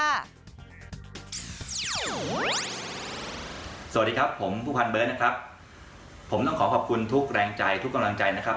สวัสดีครับผมผู้พันเบิร์ตนะครับผมต้องขอขอบคุณทุกแรงใจทุกกำลังใจนะครับ